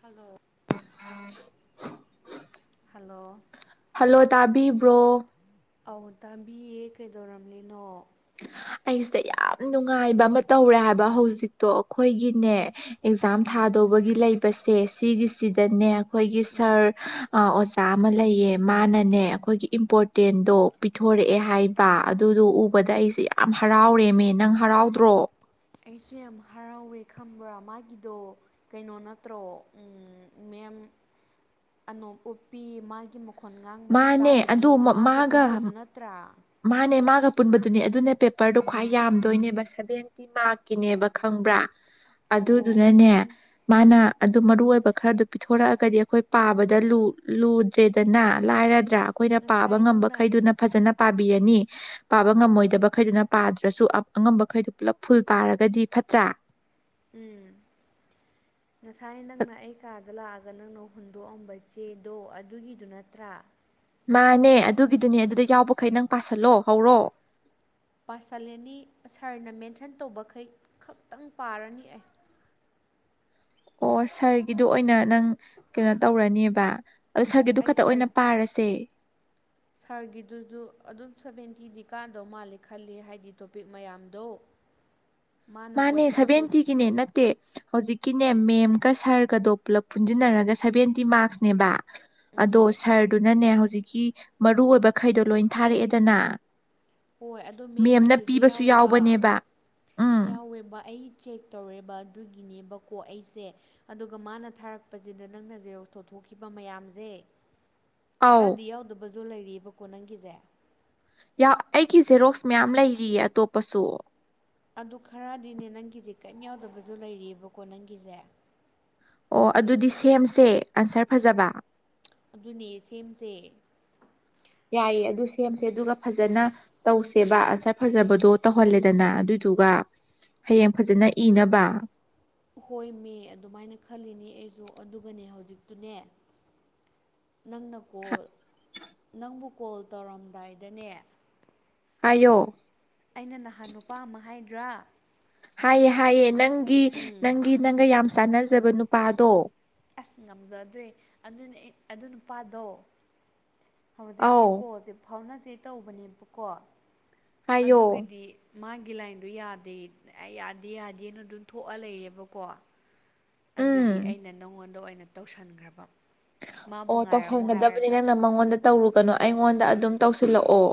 hello hello hello ꯇꯥꯕꯤꯕ꯭ꯔꯣ ꯑꯧ ꯇꯥꯝꯕꯤꯌꯦ ꯀꯩꯗꯧꯔꯕꯂꯤꯅꯣ ꯑꯩꯁꯦ ꯌꯥꯝ ꯅꯨꯡꯉꯥꯏꯕ ꯑꯃ ꯇꯧꯔꯦ ꯍꯥꯏꯕ ꯍꯧꯖꯤꯛꯇꯣ ꯑꯩꯈꯣꯏꯒꯤꯅꯦ ꯑꯦꯛꯖꯥꯝ ꯎꯝ ꯊꯥꯗꯧꯕꯒꯤ ꯂꯩꯕꯁꯦ ꯎꯝ ꯁꯤꯒꯤꯁꯤꯗꯅꯦ ꯑꯩꯈꯣꯏꯒꯤ ꯁꯥꯔ ꯑꯃ ꯂꯩꯌꯦ ꯃꯥꯅꯅꯦ ꯑꯩꯈꯣꯏꯒꯤ ꯏꯝꯄꯣꯔꯇꯦꯟꯗꯣ ꯄꯤꯊꯣꯔꯛꯑꯦ ꯎꯝ ꯍꯥꯏꯕ ꯑꯗꯨꯗꯣ ꯎ ꯎꯝ ꯁꯤ ꯌꯥꯝ ꯍꯔꯥꯎꯔꯦꯃꯦ ꯅꯪ ꯍꯔꯥꯎꯗ꯭ꯔꯣ ꯑꯩꯁꯨ ꯌꯥꯝ ꯍꯔꯥꯎꯋꯦ ꯈꯕ ꯃꯥꯒꯤꯗꯣ ꯀꯩꯅꯣ ꯅꯠꯇ꯭ꯔꯣ ꯃꯦꯝ ꯑꯅꯧꯄꯤ ꯃꯥꯒꯤ ꯃ ꯃꯈꯣꯟ ꯉꯥꯡꯕꯗꯨ ꯃꯥꯅꯦ ꯇꯥꯗꯕꯤ ꯑꯗꯨ ꯃꯥꯒ ꯄꯨꯟꯕꯗꯨ ꯅꯠꯇ꯭ꯔꯥ ꯑꯄꯨꯟꯕꯗꯨꯅꯦ ꯑꯗꯨꯅꯦ ꯄꯦꯄꯔꯗꯣ ꯈ꯭ꯋꯥꯏ ꯌꯥꯝꯗꯣꯏꯅꯦꯕ ꯁꯕꯦꯟꯇꯤ ꯃꯥꯔꯛꯀꯤꯅꯦꯕ ꯈꯪꯕ꯭ꯔꯥ ꯑꯣ ꯑꯗꯨꯗꯨꯅꯅꯦ ꯑꯣ ꯃꯥꯅ ꯑꯗꯨ ꯎꯝ ꯃꯔꯨ ꯑꯣꯏꯕ ꯈꯔꯗ ꯄꯤꯊꯣꯛ ꯊꯣꯔꯛꯑꯒꯗꯤ ꯑꯩꯈꯣꯏ ꯄꯥꯕꯗ ꯂꯨꯗ꯭ꯔꯦꯗꯅ ꯂꯥꯏ ꯄꯥꯕ ꯉꯁꯥꯏ ꯉ ꯅꯪꯅ ꯈꯩꯅ ꯐꯖ ꯄꯥꯕꯤꯔꯅꯤ ꯄꯥ ꯉꯝꯃꯣꯏꯗꯕꯩꯗꯨꯅ ꯅ꯭ꯔꯁꯨ ꯑꯉꯝꯕꯈꯩꯗꯨ ꯄꯨꯜꯂꯞ ꯐꯨꯜ ꯄꯥꯔꯒꯗꯤ ꯐꯠꯇ꯭ꯔꯥ ꯎꯝ ꯉꯁꯥꯏ ꯅꯪꯅ ꯑꯩ ꯀꯥ ꯗ ꯂꯥꯛꯑꯒ ꯅꯪꯅ ꯍꯨꯟꯗꯣꯛꯑꯝꯕ ꯆꯦꯗꯣ ꯑꯗꯨꯒꯤꯗꯨ ꯅꯠꯇ꯭ꯔꯥ ꯃꯥꯅꯦ ꯑꯗꯨꯒꯤꯗꯨꯅꯦ ꯑꯗꯨꯗ ꯌꯥꯎꯕꯈꯩ ꯅꯪ ꯄꯁꯤꯜꯂꯣ ꯍꯧꯔꯣ ꯄꯁꯂꯦꯅꯤ ꯁꯥꯔꯅ ꯃꯦꯟꯁꯟ ꯇꯧꯕꯈꯩ ꯈꯛꯇꯪ ꯄꯥꯔꯅꯤ ꯑꯩ ꯑꯣ ꯁꯥꯔꯒꯤꯗꯣ ꯑꯣꯏꯅ ꯅꯪ ꯀꯩꯅꯣ ꯇꯧꯔꯅꯦꯕ ꯑꯗ ꯁꯥꯔꯒꯤꯗꯨ ꯑꯩ ꯈꯛꯇ ꯁꯥꯔ ꯑꯣꯏꯅ ꯄꯥꯔꯁꯦ ꯁꯥꯔꯒꯤꯗꯨꯁꯨ ꯑꯗꯨꯝ ꯁꯚꯦꯟꯇꯤꯗꯤ ꯀꯥꯟꯗꯧ ꯃꯥꯜꯂꯦ ꯈꯜꯂꯤ ꯍꯥꯏꯗꯤ ꯇꯣꯄꯤꯛ ꯃꯌꯥꯝꯗꯣ [unintelligible] ꯃꯥꯅꯦ ꯀꯣꯏꯁꯟꯗꯨ ꯁꯚꯦꯟꯇꯤꯒꯤꯅꯦ ꯅꯠꯇꯦ ꯍꯧꯖꯤꯛꯀꯤꯅꯦ ꯃꯦꯝꯒ ꯁꯥꯔ ꯎꯝ ꯑ ꯍꯧꯖꯤꯛꯀꯤ ꯃꯔꯨꯑꯣꯕ ꯈꯩꯗꯣ ꯂꯣꯏꯅ ꯊꯥꯔꯛꯑꯦꯗꯅ ꯍꯣꯏ ꯑꯗꯣ ꯃꯦꯝꯅ ꯃꯦꯝꯒꯤꯗꯨꯁꯨ ꯄꯤꯕꯁꯨ ꯌꯥꯎꯋꯦꯕ ꯌꯥꯎꯕꯅꯦꯕ ꯎꯝ ꯌꯥꯎꯋꯦꯕ ꯑꯩ ꯆꯦꯛ ꯇꯧꯔꯦꯕ ꯑꯗꯨꯒꯤꯅꯦꯕꯀꯣ ꯑꯩꯁꯦ ꯑꯗꯨꯒ ꯃꯥꯅ ꯊꯥꯔꯛꯄꯁꯤꯗ ꯅꯪꯅꯔ ꯇꯧꯊꯣꯛꯈꯤꯕ ꯃꯌꯥꯝꯁꯦ ꯑꯧ ꯈꯔꯗꯤ ꯌꯥꯎꯗꯕꯁꯨ ꯂꯩꯔꯤꯕꯀꯣ ꯅꯪꯒꯤꯁꯦ ꯑꯩꯒꯤ ꯖꯦꯔꯣꯛꯁ ꯃꯌꯥꯝ ꯂꯩꯔꯤꯌꯦ ꯑꯇꯣꯞꯄꯁꯨ ꯑꯗꯨ ꯈꯔꯗꯤꯅꯦ ꯅꯪꯒꯤꯁꯦ ꯀꯔꯤꯝ ꯌꯥꯎꯗꯕꯁꯨ ꯂꯩꯔꯤꯑꯕꯀꯣ ꯅꯪꯒꯤꯁꯦ ꯑꯣ ꯑꯗꯨꯗꯤ ꯁꯦꯝꯁꯦ ꯑꯟꯁꯔ ꯐꯖꯕ ꯑꯗꯨꯅꯦ ꯁꯦꯝꯁꯦ ꯌꯥꯏꯌꯦ ꯑꯗꯨ ꯁꯦꯝꯁꯦ ꯑꯗꯨꯒ ꯐꯖꯅ ꯇꯧꯁꯦꯕ ꯑꯟꯁꯔ ꯐꯖꯕꯗꯣ ꯇꯧꯍꯜꯂꯦꯗꯅ ꯑꯗꯨ ꯑꯗꯨꯒ ꯍꯌꯦꯡ ꯐꯖꯅ ꯏꯅꯕ ꯍꯣꯏ ꯃ ꯑꯗꯨꯃꯥꯏꯅ ꯈꯜꯂꯤꯅꯦ ꯑꯩꯁꯨ ꯑꯗꯨꯒꯅꯦ ꯍꯧꯖꯤꯛꯇꯨꯅꯦ [unintelligible] ꯅꯪꯅ ꯀꯣꯜ ꯅꯪꯕꯨ ꯀꯣꯜ ꯇꯧꯔꯝꯗꯥꯏꯗꯅꯦ ꯑꯌꯣ ꯑꯩꯅ ꯅꯍꯥꯟ ꯅꯨꯄꯥ ꯑꯃ ꯍꯥꯏꯗ꯭ꯔꯥ ꯍꯥꯏꯌꯦ ꯍꯥꯏꯌꯦꯦ ꯅꯪꯒꯤ ꯅꯪꯒꯤ ꯅꯪꯒ ꯌꯥꯝ ꯆꯥꯟꯅ ꯎꯝ ꯑꯁ ꯉꯝꯖꯗ꯭ꯔꯦ ꯑꯗꯨꯅꯦ ꯑꯗꯨ ꯅꯨꯄꯥꯗꯣ ꯑꯧ ꯍꯧꯖꯤꯛꯇꯤꯀꯣꯖꯤ ꯐꯥꯎꯅꯁꯦ ꯇꯧꯕꯅꯦꯕꯀꯣ ꯍꯥꯏꯌꯣ ꯑꯗꯨꯒꯗꯤ ꯃꯥꯒꯤ ꯒꯤ ꯂꯥꯏꯟꯗꯣ ꯌꯥꯗꯦ ꯑꯦ ꯌꯥꯗꯦ ꯌꯥꯗꯦꯅ ꯑꯗꯨꯝ ꯊꯣꯛꯑ ꯂꯩꯔꯦꯕꯀꯣ ꯑꯗꯨꯒꯤ ꯎꯝ ꯑꯩꯅ ꯅꯉꯣꯟꯗ ꯑꯣꯏꯅ ꯇꯧꯁꯤꯟꯈ꯭ꯔꯕ ꯑꯣ ꯇꯧꯁꯟꯒꯗꯕꯅꯤ ꯅꯪꯅ ꯃꯉꯣꯟꯗ ꯇꯧꯔꯨꯒꯅꯨ ꯑꯩꯉꯣꯟꯗ ꯑꯗꯨꯝ ꯇꯧꯁꯤꯜꯂꯛꯑꯣ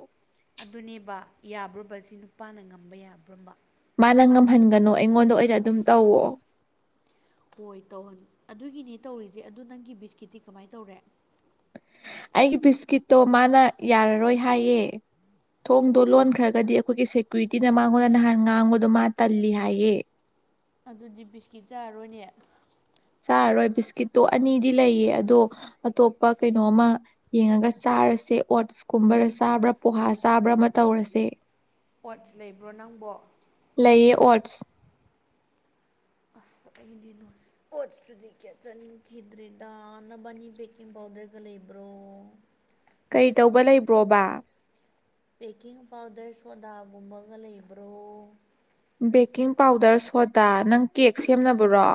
ꯑꯗꯨꯅꯦꯕ ꯌꯥꯕ꯭ꯔꯨꯕꯁꯤ ꯅꯨꯄꯥꯅ ꯉꯝꯕ ꯌꯥꯕ꯭ꯔꯨꯝꯕ ꯃꯥꯅ ꯉꯝꯍꯟꯒꯅꯨ ꯑꯩꯉꯣꯟꯗ ꯑꯣꯏꯅ ꯑꯗꯨꯝ ꯇꯧꯋ ꯍꯣꯏ ꯇꯧꯍꯟ ꯑꯗꯨꯒꯤꯅꯦ ꯇꯧꯔꯤꯁꯦ ꯑꯗꯨ ꯅꯪꯒꯤ ꯕꯤꯁꯀꯤꯠꯇꯤ ꯀꯃꯥꯏꯅ ꯇꯧꯔꯦ ꯑꯩꯒꯤ ꯕꯤꯁꯀꯤꯠꯇꯣ ꯃꯥꯅ ꯌꯥꯔꯔꯣꯏ ꯍꯥꯏꯌꯦ ꯊꯣꯡꯗꯣ ꯑꯁ ꯂꯣꯟꯈ꯭ꯔꯒꯗꯤ ꯑꯩꯈꯣꯏꯒꯤ ꯁꯦꯀ꯭ꯌꯨꯔꯤꯇꯤꯅ ꯃꯥꯉꯣꯟꯗ ꯅꯍꯥꯟ ꯉꯥꯡꯕꯗꯣ ꯃꯥ ꯇꯜꯂꯤ ꯍꯥꯏꯌꯦ ꯑꯗꯨꯗꯤ ꯕꯤꯁꯀꯤꯠ ꯆꯥꯔꯣꯏꯅꯦ ꯆꯥꯔꯔꯣꯏ ꯕꯤꯁꯀꯤꯠꯇꯣ ꯑꯅꯤꯗꯤ ꯂꯩꯌꯦ ꯑꯗꯣ ꯑꯇꯣꯞꯄ ꯀꯩꯅꯣꯝꯃ ꯌꯦꯡꯉꯒ ꯆꯥ ꯆꯥꯔꯁꯦ ꯑꯣꯠꯁ ꯀꯨꯝꯕꯗ ꯆꯥꯕ꯭ꯔꯥ ꯄꯣꯍꯥ ꯆꯥꯕ꯭ꯔꯥ ꯑꯃ ꯇꯧꯔꯁꯦ ꯄꯠꯁ ꯂꯩꯕ꯭ꯔꯣ ꯅꯪꯕꯣ ꯂꯩꯌꯦ ꯑꯣꯠꯁ ꯑꯁ ꯑꯩꯗꯤ ꯀꯣꯠꯨꯗꯤ ꯀꯦ ꯆꯥꯅꯤꯡꯈꯤꯗ꯭ꯔꯦ ꯅꯕꯥꯅꯤ ꯕꯦꯀꯤꯡ ꯄꯥꯎꯗꯔꯒ ꯂꯩꯕ ꯕꯣ ꯀꯔꯤ ꯇꯧꯕ ꯂꯩꯕ꯭ꯔꯣꯕ ꯕꯦꯀꯤꯡ ꯄꯥꯎꯗꯔ ꯁꯣꯗꯥꯒꯨꯝꯕꯒ ꯂꯩꯕ꯭ꯔꯣ ꯕꯦꯛꯀꯤꯡ ꯄꯥꯎꯗꯔ ꯁꯣꯗꯥ ꯅꯪ ꯀꯦꯛ ꯁꯦꯝꯅꯕ꯭ꯔꯣ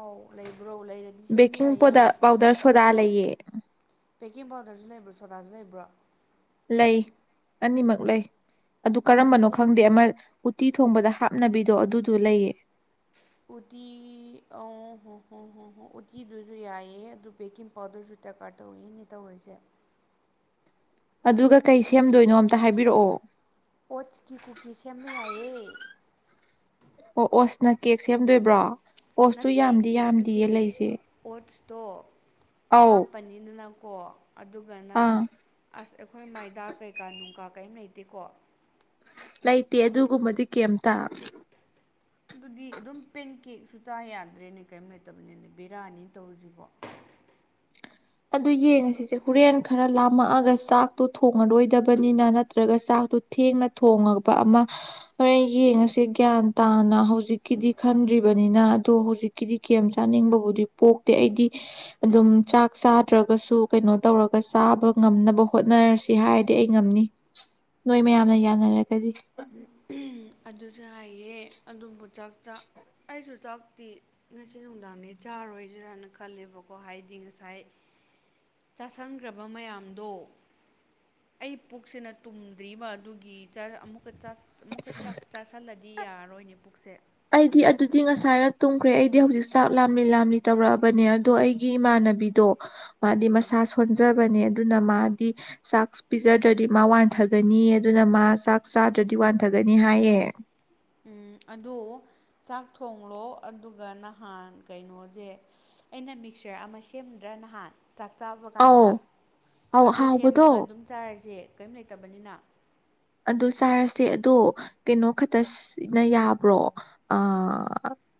ꯑꯥꯎ ꯂꯩꯕ꯭ꯔꯣ ꯂꯩꯔꯗꯤ ꯁꯦꯝꯕ ꯌꯥꯏꯌꯦ ꯆ ꯂꯩꯌꯦ ꯄꯦꯛꯀꯤꯡ ꯄꯥꯎꯗꯔꯁꯨ ꯂꯩꯕ꯭ꯔꯥ ꯁꯣꯗꯥꯁꯨ ꯂꯩꯕ꯭ꯔꯣ ꯂꯩ ꯑꯅꯤꯃꯛ ꯂꯩ ꯑꯗꯨ ꯑꯗꯨꯗꯤ ꯀꯔꯝꯕꯅꯣ ꯁꯦ ꯈꯪꯗꯦ ꯑꯃ ꯎꯇꯤ ꯊꯣꯡꯕꯗ ꯍꯥꯞꯅꯕꯤꯗꯣ ꯑꯗꯨꯗꯨ ꯂꯩꯌꯦ [unintelligible] ꯎꯇꯤ ꯑ ꯍꯣ ꯍꯣ ꯍ ꯍ ꯎꯇꯤꯗꯨꯁꯨ ꯌꯥꯏꯑꯦ ꯑꯗꯨ ꯦꯀꯤꯡ ꯄꯥꯎꯗꯔꯁꯨ ꯇ ꯀꯥꯔ ꯇꯧꯔꯛꯅꯦ ꯇꯧꯔꯤꯁꯦ ꯑꯗꯨꯒ ꯀꯩ ꯁꯦꯝꯗꯣꯏꯅꯣ ꯑꯝꯇ ꯍꯥꯏꯕꯤꯔꯛꯑꯣ ꯑꯣꯠꯁꯀꯤ ꯀꯨꯀꯤꯁ ꯁꯦꯝꯕ ꯌꯥꯏꯌꯦ ꯑꯣ ꯑꯣꯁꯅ ꯀꯦꯛ ꯁꯦꯝꯗꯣꯏꯕ꯭ꯔꯣ ꯑꯣꯁꯇꯨ ꯅꯠꯇꯦ ꯌꯥꯝꯗꯤ ꯀꯦꯛ ꯅꯠꯇꯦ ꯌꯥꯝꯗꯤꯌꯦ ꯂꯩꯁꯦ ꯑꯣꯠꯁꯇꯣ ꯑꯧ ꯍꯥꯞꯄꯅꯤꯗꯅ ꯀꯣ ꯑꯗꯨꯒ ꯅꯪ ꯑꯥ ꯑꯁ ꯑꯩꯈꯣꯏ ꯃꯥꯏꯗꯥ ꯀꯩꯀꯥ ꯅꯨꯡ ꯀꯀꯥ ꯀꯩꯝ ꯂꯩꯇꯦꯀꯣ ꯂꯩꯇꯦ ꯑꯗꯨꯒꯨꯝꯕꯗꯤ ꯀꯩꯝꯇ ꯑꯗꯨꯗꯤ ꯑꯗꯨꯝ ꯄꯦꯟ ꯀꯦꯛꯁꯨ ꯆꯥ ꯌꯥꯗ꯭ꯔꯦꯅꯦ ꯀꯔꯤꯝ ꯂꯩꯇꯕꯅꯤꯅꯦ ꯕꯤꯔꯌꯥꯅꯤ ꯇꯧꯔꯨꯁꯤꯕꯣ ꯑꯗꯨ ꯌꯦꯡꯉꯁꯤꯁꯦ ꯍꯣꯔꯦꯟ ꯈꯔ ꯂꯥꯝꯃꯛꯑꯒ ꯆꯥꯛꯇꯣ ꯊꯣꯡꯉꯔꯣꯏꯗꯕꯅꯤꯅ ꯅꯠꯇ꯭ꯔꯒ ꯆꯥꯛ ꯑꯗꯨ ꯊꯦꯡꯅ ꯊꯣꯉꯕ ꯑꯃ ꯍꯣꯔꯦꯟ ꯌꯦꯡꯉꯁꯦ ꯒ꯭ꯌꯥꯟ ꯇꯥꯅ ꯍꯧꯖꯤꯛꯀꯤꯗꯤ ꯈꯟ ꯗ꯭ꯔꯤꯕꯅꯤꯅ ꯑꯗꯣ ꯍꯧꯖꯤꯛꯀꯤꯗꯤ ꯀꯦꯝ ꯆꯥꯅꯤꯡꯕꯕꯨꯗꯤ ꯄꯣꯛꯇꯦ ꯑꯩꯗꯤ ꯑꯗꯨꯝ ꯆ ꯥꯛ ꯆꯥꯗ꯭ꯔꯒꯁꯨ ꯀꯩꯅꯣ ꯇꯧꯔꯒ ꯆꯥꯕ ꯉꯝꯅꯕ ꯍꯣꯠꯅꯔꯁꯤ ꯍꯥꯏꯔꯗꯤ ꯑꯩ ꯉꯝꯅꯤ ꯅꯣꯏ ꯃꯌꯥꯝꯅ ꯌꯥꯅꯔꯒꯗꯤ ꯑꯗꯨꯁꯨ ꯍꯥꯏꯌꯦꯦ ꯑꯗꯨꯝꯕꯨ ꯆ ꯑꯩꯁꯨ ꯆꯞ ꯍꯛꯇꯤ ꯉꯁꯤ ꯅꯨꯡꯗꯥꯡꯅꯦ ꯆꯥꯔꯣꯏꯁꯤꯔꯥꯅ ꯈꯜꯂꯦꯕꯀꯣ ꯍꯥꯏꯗꯤ ꯉꯁꯥꯏ ꯆꯥꯁꯟꯈ꯭ꯔꯕ ꯃꯌꯥꯝꯗꯣ ꯑꯩ ꯄꯨꯛꯁꯤꯅ ꯇꯨꯝꯗ꯭ꯔꯤꯕ ꯑꯗꯨꯒꯤ ꯑꯃꯨꯛꯀ ꯑꯃꯨꯛꯀ ꯆꯥꯛ ꯆꯥꯥꯁꯜꯂꯗꯤ ꯌꯥꯔꯔꯣꯏꯅꯦ ꯄꯨꯛꯁꯦ ꯑꯩꯗꯤ ꯑꯗꯨꯗꯤ ꯉꯁꯥꯏꯅ ꯇꯨꯝꯈ꯭ꯔꯦ ꯑꯩꯗꯤ ꯍꯧꯖꯤꯛ ꯆꯥꯛ ꯂꯥꯝꯂꯤ ꯂꯥꯝꯂꯤ ꯇꯧꯔꯛꯑꯕꯅꯦ ꯑꯗꯣ ꯑꯩꯒꯤ ꯏꯃꯥꯅ ꯕꯤꯗꯣ ꯃꯥꯗꯤ ꯃꯁꯥ ꯁꯣꯟꯖꯕꯅꯦ ꯑꯗꯨꯅ ꯃꯥꯗꯤ ꯆꯥꯛꯁ ꯄꯤꯖꯗ꯭ꯔꯗꯤ ꯃꯥ ꯋꯥꯟꯊꯒꯅꯤ ꯑꯗꯨꯅ ꯃꯥ ꯆꯥꯛ ꯆꯥꯗ꯭ꯔꯗꯤ ꯋꯥꯟꯊꯒꯅꯤ ꯅꯤ ꯍꯥꯏꯑꯌꯦ ꯎꯝ ꯑꯗꯨ ꯆꯥꯛ ꯊꯣꯡꯂꯣ ꯑꯗꯨꯒ ꯅꯍꯥꯟ ꯀꯩꯅꯣꯁꯦ ꯑꯩꯅ ꯃꯤꯛꯆꯔ ꯑꯃ ꯁꯦꯝꯗ꯭ꯔꯥ ꯅꯍꯥꯟ ꯆꯥꯛ ꯆꯥꯕ ꯑꯧ ꯀꯥꯟꯗ ꯑꯧ ꯑꯗꯨ ꯍꯥꯎꯕꯗꯣ ꯁꯦꯝꯃꯒ ꯑꯗꯨꯝ ꯆꯥꯔꯁꯦ ꯀꯔꯤꯝ ꯂꯩꯇꯕꯅꯤꯅ ꯑꯗꯨ ꯆꯥꯔꯁꯦ ꯑꯗꯣ ꯀꯩꯅꯣ ꯈꯛꯇꯅ ꯌꯥꯕ꯭ꯔꯣ ꯑ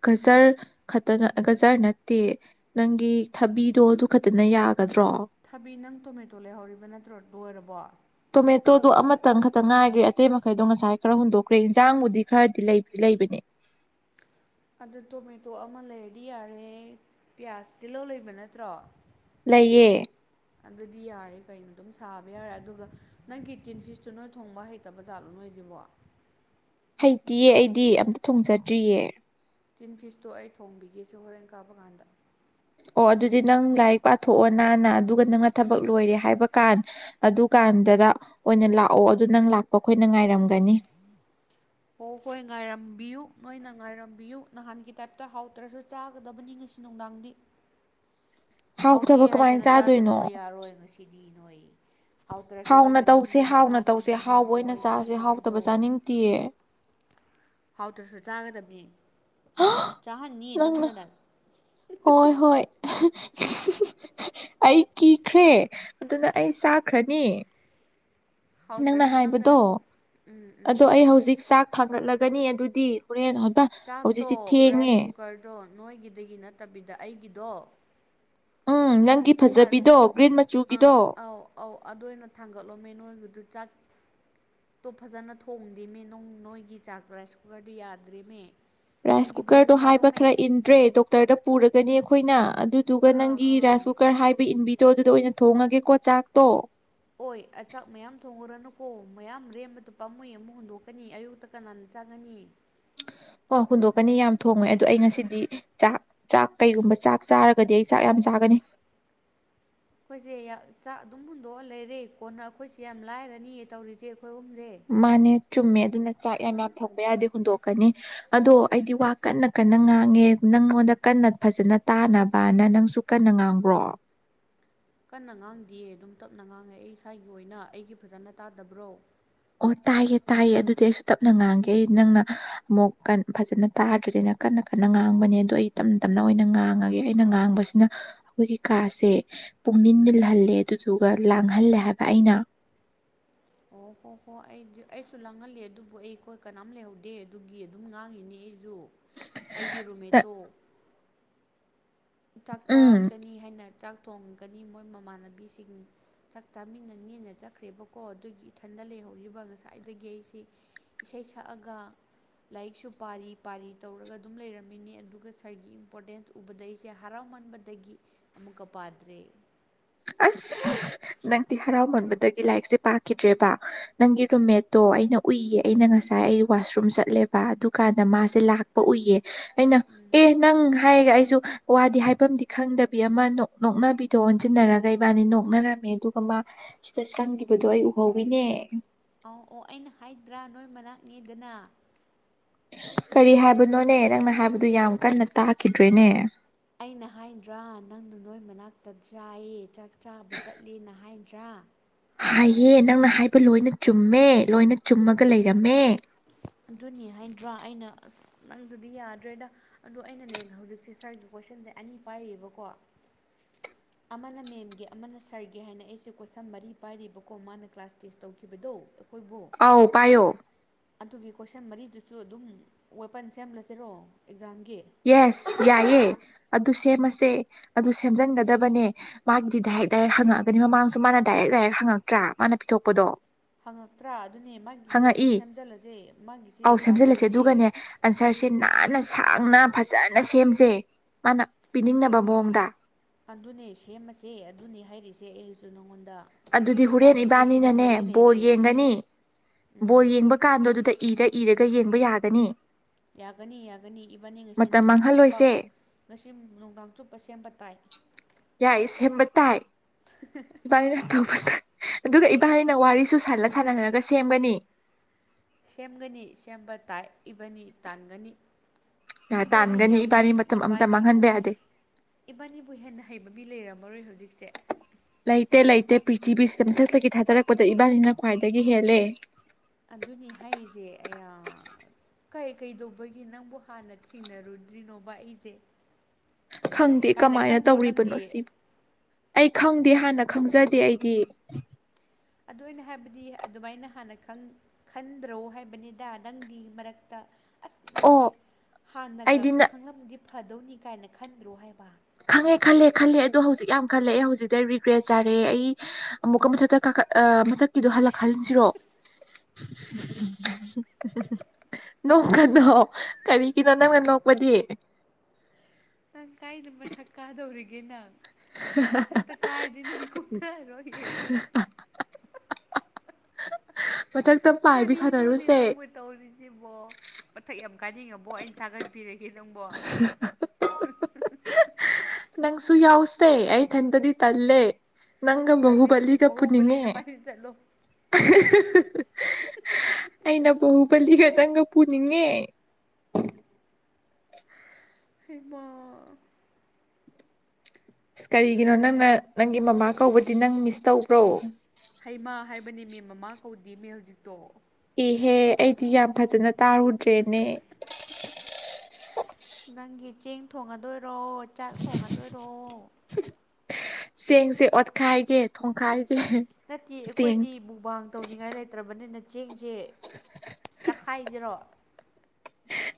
ꯒꯖꯔ ꯈꯛꯇꯅ ꯒꯖꯔ ꯅꯠꯇꯦ ꯅꯪꯒꯤ ꯊꯕꯤꯗꯣ ꯑꯗꯨ ꯈꯛꯇꯅ ꯌꯥꯒꯗ꯭ꯔꯥ ꯊꯕꯤ ꯅꯪ ꯇꯣꯃꯦꯇꯣ ꯂꯩꯍꯧꯔꯤꯕ ꯅꯠꯇ꯭ꯔꯣ ꯂꯣꯏꯔꯕꯣ ꯣ ꯑꯃꯇꯪ ꯇ ꯉꯥꯏꯈ꯭ꯔꯦ ꯑꯇꯩ ꯃꯈꯩꯗꯣ ꯉꯁꯥꯏ ꯈꯔ ꯍꯨꯟꯗꯣꯛꯈ꯭ꯔꯦ ꯏꯟꯁꯥꯡꯕꯨꯗꯤ ꯈꯔꯗꯤ ꯂꯩ ꯂꯩꯕꯅꯦ ꯑꯗꯨ ꯇꯣꯃꯦꯇꯣ ꯑꯃ ꯂꯩꯔꯗꯤ ꯌꯥꯔꯦ ꯄꯤꯌꯥꯁ ꯇꯤꯜꯍꯧ ꯂꯩꯕ ꯅꯠꯇ꯭ꯔꯣ ꯂꯩꯌꯦ ꯑꯗꯨꯗꯤ ꯌꯥꯔꯦ ꯀꯩꯅꯣ ꯑꯗꯨꯝ ꯁꯥꯕ ꯌꯥꯔꯦ ꯑꯗꯨꯒ ꯅꯪꯒꯤ ꯇꯤꯟ ꯐꯤꯁꯇꯨ ꯅꯣꯏ ꯊꯣꯡꯕ ꯍꯩꯇꯕ ꯖꯥꯠꯂꯣ ꯅꯣꯏ ꯍꯧꯖꯤꯕ ꯂꯩꯇꯌꯦ ꯑꯩꯗꯤ ꯑꯝꯇ ꯊꯣꯡꯖꯗ꯭ꯔꯤꯌꯦ ꯆꯤꯟ ꯐꯤꯁꯇꯣ ꯑꯩ ꯊꯣꯡꯕꯤꯒꯦꯁꯦ ꯍꯣꯔꯦꯟ ꯀꯥꯕ ꯀꯥꯟꯗ ꯑꯣ ꯑꯗꯨꯗꯤ ꯅꯪ ꯂꯥꯏꯔꯤꯛ ꯄꯥꯊꯣꯛꯑꯣ ꯅꯥꯅ ꯑꯗꯨꯒ ꯅꯪꯅ ꯊꯕꯛ ꯂꯣꯏꯔꯦ ꯍꯥꯏꯕꯀꯥꯟ ꯑꯗꯨꯀꯥꯟꯗꯗ ꯑꯣꯏꯅ ꯂꯥꯛꯑꯣ ꯑꯗꯨ ꯅꯪ ꯂ ꯑꯣ ꯍꯣꯏ ꯉꯔꯝꯕꯤꯌꯨ ꯅꯣꯏꯅ ꯉꯥꯏꯔꯝꯕꯤꯌꯨ ꯅꯍꯥꯟꯒꯤ ꯇꯥꯏꯞꯇ ꯍꯥꯎꯗ꯭ꯔꯁꯨ ꯆꯥꯒꯗꯕꯅꯤ ꯉꯁꯤ ꯅꯨꯡꯗꯥꯡꯗꯤ ꯍꯥꯎꯇꯦ ꯍꯥꯎꯇꯕ ꯀꯃꯥꯏꯅ ꯍꯥꯏꯗꯅ ꯆꯥꯗꯣꯏꯅꯣ ꯆꯥꯗꯅꯕ ꯌꯥꯔꯣꯏ ꯉꯁꯤꯗꯤ ꯅꯣꯏ ꯍꯥꯎꯇ꯭ꯔꯁꯨ ꯍꯥꯎꯅ ꯑꯩꯅ ꯇꯧꯁꯦ ꯅꯝꯗꯅ ꯍꯥꯎꯅ ꯇꯧꯁꯦ ꯆꯥꯍꯟꯒꯅꯤ ꯍꯥꯎꯕ ꯅꯣꯏꯕꯨ ꯑꯣꯏꯅ ꯑꯩ ꯆꯥꯁꯦ ꯊꯣꯡꯕꯗꯣ ꯍꯥꯎꯇꯕ ꯆꯥꯅꯤꯡꯇꯦꯌꯦ ꯍꯥꯎꯇ꯭ꯔꯁꯨ ꯆꯥꯒꯗꯕꯅꯦ ꯆꯥꯍꯟꯅꯤꯌꯦ ꯅꯪꯅ ꯅꯝꯗꯅ ꯍꯣꯏ ꯍꯣꯏ ꯑꯩ ꯀꯤꯈ꯭ꯔꯦ ꯑꯗꯨꯅ ꯑꯩ ꯆꯥꯈ꯭ꯔꯅꯤ ꯅꯪꯅ ꯍꯥꯎꯇ꯭ꯔꯁꯨ ꯍꯥꯏꯕꯗꯣ ꯅꯝꯗꯅ ꯎꯝ ꯎꯝ ꯑꯗꯣ ꯑꯩ ꯍꯧꯖꯤꯛ ꯆꯥꯛ ꯊꯥꯡꯒꯠꯂꯒꯅꯤ ꯑꯗꯨꯗꯤ ꯍꯣꯔꯦꯟ ꯆꯥꯛꯇꯣ ꯍꯧꯖꯤꯛꯁꯤ ꯊꯦꯡꯉꯦ ꯔꯥꯏꯁ ꯀꯨꯀꯔꯗꯣ ꯅꯣꯏꯒꯤꯗꯒꯤ ꯅꯠꯇꯕꯤꯗ ꯑꯩꯒꯤꯗꯣ ꯎꯝ ꯅꯪꯒꯤ ꯑ ꯐꯖꯕꯤꯗꯣ ꯒ꯭ꯔꯤꯟ ꯃꯆꯨꯒꯤꯗꯣ ꯑꯥ ꯑꯧ ꯑꯧ ꯑꯗꯨ ꯑꯣꯏꯅ ꯊꯥꯡꯒꯠꯂꯣꯃꯦ ꯅꯣꯏꯒꯤꯗꯨ ꯆꯥꯛ ꯇꯣ ꯐꯖꯅ ꯊꯣꯡꯗꯦꯃꯦ ꯅꯣꯏꯒꯤ ꯆꯥꯛꯇ ꯔꯥꯏꯁ ꯀꯨꯀꯔꯗꯨ ꯌꯥꯗ꯭ꯔꯤꯃꯦ ꯔꯥꯏꯁ ꯀꯨꯀꯔꯗꯣ ꯍꯥꯏꯕ ꯈꯔ ꯏꯟꯗ꯭ꯔꯦ ꯗꯣꯛꯇꯔꯗ ꯄꯨꯔꯒꯅꯤ ꯑꯩꯈꯣꯏꯅ ꯑꯥ ꯑꯗꯨꯗꯨꯒ ꯑꯥ ꯅꯪꯒꯤ ꯑꯥ ꯔꯥꯏꯁ ꯀꯨꯀꯔ ꯍꯥꯏꯕ ꯏꯟꯕꯤꯗꯣ ꯑꯗꯨꯗ ꯑꯣꯏꯅ ꯊꯣꯡꯉꯒꯦꯀꯣ ꯆꯥꯛꯇꯣ ꯍ ꯆꯆꯥꯛ ꯃꯌꯥꯝ ꯊꯣꯡꯉꯨꯔꯅꯨꯀꯣ ꯃꯌꯥꯝ ꯔꯦꯝꯕꯗꯨ ꯄꯥꯝꯃꯩ ꯑꯃꯨꯛ ꯍꯨꯟꯗꯣꯛꯀꯅꯤ ꯑꯌꯨꯛꯇ ꯀꯅꯥꯅ ꯆꯪꯒꯅꯤ ꯑꯣ ꯍꯨꯟꯗꯣꯛꯀꯅꯤ ꯌꯥꯝ ꯊꯣꯡꯉꯦ ꯑꯗꯣ ꯑꯩ ꯉꯁꯤꯗꯤ ꯆꯥꯛ ꯆꯥꯛ ꯀꯩꯒꯨꯝꯕ ꯆꯥꯛ ꯆꯥꯔꯒꯗꯤ ꯑꯩ ꯆꯥꯛ ꯌꯥꯝ ꯆꯥ ꯍꯥꯏꯒꯅꯤ [inaudible] [unintelligible] ꯑꯩꯈꯣꯏꯁꯦ ꯆꯥꯛ ꯑꯗꯨꯝ ꯍꯨꯟꯗꯣꯛꯑ ꯂꯩꯔꯦ ꯀꯣꯟꯅ ꯑꯩꯈꯣꯏꯁꯦ ꯌꯥꯝ ꯂꯥꯏꯔꯅꯤ ꯇꯧꯔꯤꯁꯦ ꯑꯍꯨꯝꯁꯦ ꯃꯅꯦ ꯆꯨꯝꯃꯦ ꯑꯗꯨꯅ ꯆꯥꯛ ꯌꯥꯝ ꯌꯥꯝ ꯊꯣꯡꯕ ꯌꯥꯗꯦ ꯍꯨꯟꯗꯣꯛꯀꯅꯤ ꯑꯗꯣ ꯑꯩꯗꯤ ꯋꯥ ꯀꯟꯅ ꯀꯟꯅ ꯉꯥꯡꯉꯦ ꯅꯪꯉꯣꯟꯗ ꯀꯟꯅ ꯐꯖꯅ ꯇꯥꯅꯕꯅ ꯅꯪꯁꯨ ꯀꯟꯅ ꯉꯥꯡꯈ꯭ꯔꯣ [inaudible] [unintelligible] ꯀꯟꯅ ꯉꯥꯡꯗꯌꯦ ꯑꯗꯨꯝ ꯇꯞꯅ ꯉꯥꯡꯉꯦ ꯑꯩ ꯏꯁꯥꯒꯤ ꯑꯣꯏꯅ ꯑꯩꯒꯤ ꯐꯖꯅ ꯇꯥꯗꯕ꯭ꯔꯣ ꯑꯣ ꯇꯥꯏꯌꯦ ꯇꯥꯏꯌꯦ ꯑꯗꯨꯗꯤ ꯑꯩꯁꯨ ꯇꯞꯅ ꯉꯥꯡꯒꯦ ꯑꯩ ꯅꯪꯅ ꯑꯃꯨꯛ ꯐꯖꯅ ꯇꯥꯗ꯭ꯔꯗꯤ ꯅ ꯀꯟꯅ ꯀꯟꯅ ꯉꯥꯡꯕꯅꯦ ꯑꯗꯣ ꯑꯩ ꯇꯞꯅ ꯇꯞꯅ ꯑꯣꯏꯅ ꯉꯥꯡꯉꯒꯦ ꯑꯩꯅ ꯉꯥꯡꯕꯁꯤꯅ ꯑꯩꯈꯣꯏꯒꯤ ꯀꯥꯁꯦ ꯄꯨꯡꯅꯤꯟ ꯃꯜꯍꯜꯂꯦ ꯑꯗꯨꯗꯨꯒ ꯂꯥꯡꯍꯜꯂꯦ ꯍꯥꯏꯕ ꯑꯩꯅ [inaudible] [unintelligible] ꯑꯣ ꯍꯣ ꯍꯣ ꯑꯩꯗꯤ ꯑꯩꯁꯨ ꯂꯥꯡꯍꯜꯂꯤꯦ ꯑꯗꯨꯕꯨ ꯑꯩꯈꯣꯏ ꯀꯅꯥꯝ ꯂꯩꯍꯧꯗꯦ ꯑꯗꯨꯒꯤ ꯑꯗꯨꯝ ꯉꯥꯡꯉꯤꯅꯤ ꯑꯩ ꯨ ꯑꯩꯒꯤ ꯔꯣꯃꯦꯇꯣ ꯆꯥꯛ ꯎꯝ ꯆꯥꯔꯛꯀꯅꯤ ꯍꯥꯏꯅ ꯆꯥꯛ ꯇꯣꯡꯒꯅꯤ ꯃꯣꯏ ꯃꯃꯥꯟꯅꯕꯤꯁꯤꯡ ꯆꯥꯛ ꯆꯥꯃꯤꯟꯅꯅꯦꯅ ꯆꯠꯈ꯭ꯔꯦꯕꯀꯣ ꯑꯗꯨꯒꯤ ꯏꯊꯟꯗ ꯂꯩ ꯇꯧꯔꯤꯕ ꯉꯁꯥꯏꯗꯒꯤ ꯑꯩꯁꯤ ꯏꯁꯩ ꯁꯛꯑꯒ ꯂꯥꯏꯔꯤꯛꯁꯨ ꯄꯥꯔꯤ ꯄꯥꯔꯤ ꯇꯧꯔꯒ ꯑꯗꯨꯝ ꯂꯩꯔꯝꯃꯤꯅꯤ ꯑꯗꯨꯒ ꯁꯥꯔꯒꯤ ꯏꯝꯄꯣꯔꯇꯦꯟꯁ ꯎꯕꯗꯩꯁꯦ ꯍꯔꯥꯎꯃꯟꯕꯗꯒꯤ ꯑꯃꯨꯛꯀ ꯄꯥꯗ꯭ꯔꯦ ꯑꯁ ꯅꯪꯗꯤꯤ ꯍꯔꯥꯎꯃꯟꯕꯗꯒꯤ ꯂꯥꯏꯔꯤꯛꯁꯦ ꯄꯥꯈꯤꯗ꯭ꯔꯦꯕ ꯅꯪꯒꯤ ꯔꯨꯝꯃꯦꯠꯇꯣ ꯑꯩꯅ ꯎꯏꯌꯦ ꯑꯩꯅ ꯉꯁꯥꯏ ꯑꯩ ꯋꯥꯁꯔꯨꯝ ꯆꯠꯂꯦꯕ ꯑꯗꯨꯀꯥꯟꯗ ꯎꯝ ꯃꯥꯁꯦ ꯂꯥꯛꯄ ꯎꯏꯌꯦ ꯑꯩꯅ ꯎꯝ ꯑꯦ ꯅꯪ ꯍꯥꯏꯔꯒ ꯑꯩꯁꯨ ꯋꯥꯗꯤ ꯍꯥꯏꯐꯝꯗꯤ ꯈꯪꯗꯕꯤ ꯑꯃ ꯅꯣꯛꯅꯕꯤꯗꯣ ꯑꯣꯟꯁꯤꯟꯅꯔ ꯒꯩꯕꯥꯅꯤ ꯅꯣꯛꯅꯔꯝꯃꯦ ꯑꯗꯨꯒ ꯃꯥ ꯁꯤꯗ ꯆꯪꯈꯤꯕꯗꯣ ꯑꯩ ꯎꯍꯧꯋꯤꯅꯦ ꯑꯧ ꯑꯣ ꯑꯩꯅ ꯍꯥꯏꯗ꯭ꯔꯥ ꯅꯣꯏ ꯃꯅꯥꯛꯅꯤꯗꯅ ꯀꯔꯤ ꯍꯥꯏꯕꯅꯣꯅꯦ ꯅꯪꯅ ꯍꯥꯏꯕꯗꯨ ꯌꯥꯝ ꯀꯟꯅ ꯇꯥꯈꯤꯗ꯭ꯔꯦꯅꯦ ꯑꯩꯅ ꯍꯥꯏꯗ꯭ꯔꯥ ꯅꯪꯅ ꯅꯣꯏ ꯃꯅꯥꯛꯇ ꯆꯥꯏꯌꯦ ꯆꯥꯛ ꯆꯥꯕ ꯆꯠꯂꯤꯦꯅ ꯍꯥꯏꯗ꯭ꯔꯥ ꯍꯥꯏꯌꯦ ꯅꯪꯅ ꯍꯥꯏꯕ ꯂꯣꯏꯅ ꯆꯨꯝꯃꯦ ꯂꯣꯏꯅ ꯆꯨꯝꯃꯒ ꯂꯩꯔꯝꯃꯦ ꯑꯗꯨꯅꯤ ꯍꯥꯏꯗ꯭ꯔꯥ ꯑꯩꯅ ꯑꯁ ꯅꯪꯁꯨꯗꯤ ꯌꯥꯗ꯭ꯔꯦꯗ ꯑꯗꯣ ꯑꯩꯅꯅꯦ ꯍꯧꯖꯤꯛꯁꯦ ꯁꯥꯔꯒꯤ ꯀꯣꯏꯁꯟꯁꯦ ꯑꯅꯤ ꯄꯥꯏꯔꯤꯕꯀꯣ [unintelligible] ꯑꯃꯅ ꯃꯦꯝꯒꯦ ꯑꯃꯅ ꯁꯔꯒꯦ ꯍꯥꯏꯅ ꯑꯩꯁꯦ ꯀꯣꯏꯁꯝ ꯃꯔꯤ ꯄꯥꯏꯔꯤꯕꯀꯣ ꯃꯥꯅ ꯀ꯭ꯂꯥꯁ ꯇꯦꯁ ꯇꯧꯈꯤꯕꯗꯣ ꯑꯩꯈꯣꯏꯕꯨ ꯑꯥꯎ ꯄꯥꯏꯌꯣ ꯑꯗꯨꯒꯤ ꯀꯣꯏꯁꯟ ꯃꯔꯤꯗꯨꯁꯨ ꯑꯗꯨꯝ ꯋꯦꯄꯟ ꯁꯦꯝꯂꯁꯤꯔꯣ ꯑꯦꯛꯖꯥꯝ ꯌꯦꯁ ꯌꯥꯏꯑ ꯑꯗꯨ ꯁꯦꯝꯃꯁꯦ ꯑꯗꯨ ꯁꯦꯝꯖꯟꯒꯗꯕꯅꯦ ꯃꯥꯒꯤꯗꯤ ꯗꯥꯏꯔꯦꯛ ꯗꯥꯏꯔꯦꯛ ꯍꯪꯉꯛꯑꯒꯅꯤ ꯃꯃꯥꯡꯁꯨ ꯃꯥꯅ ꯗꯥꯏꯔꯦꯛ ꯂꯥꯏꯔꯤꯛ ꯍꯪꯉꯛꯇ꯭ꯔꯥ ꯃꯥꯅ ꯄꯤꯊꯣꯛꯄꯗꯣ ꯍꯪꯉꯛꯇ꯭ꯔꯥ ꯑꯗꯨꯅꯦ ꯃꯥꯒꯤꯁꯦ ꯑꯗꯨꯝ ꯍꯪꯉꯛꯏ ꯁꯦꯝꯖꯤꯜꯂꯁꯦ ꯃꯥꯒꯤꯁꯦ ꯄꯥꯁꯤꯜꯂꯁꯦ ꯁꯦ ꯅꯥꯟꯅ ꯁꯥꯡꯅ ꯐꯖꯅ ꯁꯦꯝꯖꯩ ꯃꯥꯅ ꯄꯤꯅꯤꯡꯅꯕ ꯃꯑꯣꯡꯗ ꯑꯗꯨꯅꯦ ꯁꯦꯝꯃꯁꯦ ꯑꯗꯨꯅꯤ ꯍꯥꯏꯔꯤꯁꯦ ꯑꯩꯁꯨ ꯅꯉꯣꯟ ꯑꯗꯨꯗꯤ ꯍꯣꯔꯦꯟ ꯏꯕꯥꯅꯤꯅꯅꯦ ꯕꯣꯜ ꯂꯩꯔꯦ ꯌꯦꯡꯒꯅꯤ ꯕꯣꯜ ꯎꯝ ꯌꯦꯡꯕ ꯀꯥꯟꯗ ꯑꯗꯨꯗ ꯏꯔ ꯏꯔꯒ ꯌꯦꯡꯕ ꯌꯥꯒꯅꯤ ꯌꯥꯒꯅꯤ ꯌꯥꯒꯅꯤ ꯏꯕꯥꯅꯤ ꯑꯁꯤ ꯃꯇꯝ ꯅꯨꯡꯗꯥꯡ ꯆꯨꯞꯄ ꯃꯥꯡꯍꯜꯂꯣꯏꯁꯦ ꯉꯁꯤ ꯅꯨꯡꯗꯥꯡ ꯆꯨꯞꯄ ꯁꯦꯝꯕ ꯇꯥꯏ ꯌꯥꯏꯁ ꯇꯥꯏ ꯄꯥ ꯔꯁꯥꯄꯔꯗ ꯑꯗꯨꯒ ꯏꯕꯥꯅꯤꯅ ꯋꯥꯔꯤꯁꯨ ꯁꯥꯟꯅ ꯁꯥꯟꯅꯅꯔꯒ ꯁꯦꯝꯒꯅꯤ ꯁꯦꯝꯒꯅꯤ ꯁꯦꯝꯕ ꯇꯥꯏ ꯏꯕꯅꯤ ꯇꯥꯟꯒꯅꯤ ꯏꯕꯥꯅꯤ ꯇꯥꯟꯒꯅꯤ ꯌꯥꯝ ꯏꯕꯥꯅꯤ ꯍꯩ ꯃꯇꯝ ꯑꯃꯇ ꯏꯕꯥꯅꯤꯕꯨ ꯃꯥꯡꯍꯟꯕ ꯌꯥꯗꯦ ꯏꯕꯥꯅꯤꯕꯨ ꯍꯦꯟꯅ ꯍꯩꯕ ꯃꯤ ꯂꯩꯔꯝꯃꯔꯣꯏ ꯍꯧꯖꯤꯛꯁꯦ ꯂꯩꯇꯦ ꯂꯩꯇꯦ ꯄ꯭ꯔꯤꯊꯤꯕꯤꯁꯤꯗ ꯃꯊꯛꯇꯒꯤ ꯊꯥꯗꯔꯛꯄꯗ ꯏꯕꯥꯅꯤꯅ ꯈ꯭ꯋꯥꯏꯗꯒꯤ ꯍꯦꯜꯂꯦ ꯑꯗꯨꯅꯤ ꯍꯥꯏꯔꯤꯁꯦ ꯑꯌꯥ ꯀꯩ ꯀꯩꯗꯧꯕꯒꯤꯦ ꯅꯪꯕꯨ ꯍꯥꯟꯅ ꯊꯦꯡꯅꯔꯨꯗ꯭ꯔꯤꯅꯣꯕ ꯑꯩꯁꯦ ꯈꯪꯗꯦ ꯀꯥꯏꯅ ꯀꯃꯥꯏꯅ ꯈꯟꯗ꯭ꯔꯣ ꯇꯧꯔꯤꯕꯅꯣ ꯅꯪꯗꯤ ꯁꯤꯕꯨ ꯑꯩ ꯈꯪꯗꯦ ꯗꯗꯤ ꯍꯥꯟꯅ ꯈꯪꯖꯗꯦ ꯑꯩꯗꯤ ꯑꯗꯨ ꯑꯣꯏꯅ ꯍꯥꯏꯕꯗꯤ ꯑꯗꯨꯃꯥꯏꯅ ꯍꯥꯟꯅ ꯈꯟꯗ꯭ꯔꯣ ꯍꯥꯏꯕꯅꯤꯗ ꯅꯪꯒꯤ ꯃꯔꯛꯇ ꯑꯁ ꯅꯪꯁꯦ ꯑꯣ ꯍꯥꯟꯅꯒ ꯑꯩꯗꯤ ꯅ ꯈꯪꯉꯗꯤ ꯐꯗꯧꯅꯤ ꯀꯥꯏꯅ ꯈꯟꯗ꯭ꯔꯣ ꯍꯥꯏꯕ ꯈꯪꯉꯦ ꯈꯜꯂꯦ ꯈꯜꯂꯦ ꯑꯗꯣ ꯍꯧꯖꯤꯛ ꯌꯥꯝ ꯈꯜꯂꯦ ꯍꯧꯖꯤꯛꯇ ꯔꯤꯒ꯭ꯔꯦꯠ ꯆꯥꯔꯦ ꯑꯩ ꯑꯃꯨꯛꯀ ꯃꯊꯛꯇ ꯃꯆꯛꯀꯤꯗꯣ ꯍꯜꯂꯛꯍꯍꯟꯁꯤꯔꯣ ꯅꯣꯡ ꯀꯅꯣ ꯀꯔꯤꯒꯤꯅꯣ ꯅꯪꯅ ꯅꯣꯛꯄꯗꯤ ꯅꯪ ꯀꯥꯏꯅ ꯃꯊꯛ ꯀꯥꯗꯧꯔꯤꯒꯦ ꯅꯪ ꯃꯊꯛ ꯇ ꯀꯥꯗꯤꯅꯪꯒꯨꯞꯇꯔꯣꯦ ꯃꯊꯛꯇ ꯄꯥꯏꯕꯤ ꯀꯔꯤꯅꯣꯅꯦ ꯁꯥꯟꯅꯔꯨꯁꯦ ꯅꯪꯕꯨ ꯇꯧꯔꯤꯁꯤꯕꯣ ꯃꯊꯛ ꯌꯥꯝ ꯀꯥꯅꯤꯡꯉꯕꯣ ꯑꯩꯅ ꯊꯥꯒꯠꯄꯤꯔꯒꯦ ꯅꯪꯕꯣ ꯅꯪꯁꯨꯨ ꯌꯥꯎꯁꯦ ꯑꯠ ꯍꯟꯗꯗꯤ ꯇꯜꯦ ꯅꯪ ꯇꯜꯂꯦ ꯍꯨꯕꯂꯤꯒ ꯕꯍꯨꯕꯂꯤ ꯄꯨꯅꯤꯉꯦ ꯅꯕꯥꯅꯤ ꯆꯠꯂꯣ ꯑꯩꯅ ꯇꯣ ꯄꯜꯂꯤ ꯈꯇꯪꯒ ꯄꯨꯅꯤꯡꯉꯦ ꯍꯕ ꯑꯁ ꯀꯔꯤꯒꯤꯅꯣ ꯅꯪꯅ ꯅꯪꯒꯤ ꯃꯃꯥ ꯀꯧꯕꯗꯤ ꯅꯪ ꯃꯤꯁ ꯇꯈ꯭ꯔꯣ ꯍꯩꯃꯥ ꯍꯥꯏꯕꯅꯦ ꯃꯦꯝ ꯃꯃꯥ ꯀꯧꯗꯤ ꯃꯦꯨꯖꯤꯛꯇꯣ ꯍꯦ ꯑꯩꯗꯤ ꯌꯥꯝ ꯐꯖꯅ ꯇꯥꯔꯨꯗ꯭ꯔꯦꯅꯦ ꯅꯪꯒꯤ ꯆꯦꯡ ꯊꯣꯡꯉꯗꯣꯏꯔꯣ ꯆꯥꯛ ꯊꯣꯡꯉꯗꯣꯏꯔꯣ ꯆꯦꯡꯁꯦ ꯑꯣꯠꯈꯥꯏꯒꯦ ꯊꯣꯡꯈꯥꯏꯒ ꯅꯠꯇꯦ ꯑꯩꯈꯣꯏꯗꯤ ꯕꯨꯕꯥꯡ ꯇꯧꯅꯤꯡꯉꯥꯏ ꯂꯩꯇ꯭ꯔꯕꯅꯤꯅ ꯆꯦꯡ ꯆꯦ ꯆꯈꯥꯏꯖꯔꯣ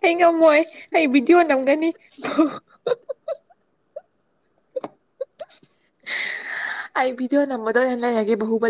ꯑꯩ ꯉꯝꯃꯣꯏ ꯑꯩ ꯚꯤꯗꯤꯑꯣ ꯅꯝꯒꯅꯤ [unintelligible] ꯑꯩꯚꯗꯤꯑꯣ ꯅꯃꯗ ꯍ ꯂꯩ ꯂꯒꯦ ꯍꯨꯕ